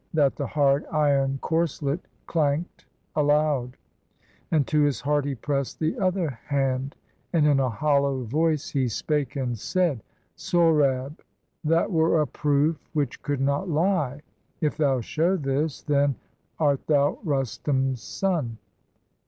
That the hard iron corslet clank'd aloud; And to his heart he press'd the other hand. And in a hollow voice he spake, and said: — "Sohrab, that were a proof which could not lie! If thou show this, then art thou Rustum's son."